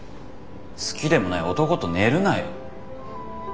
好きでもない男と寝るなよ。